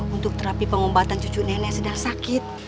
untuk terapi pengobatan cucu nenek sedang sakit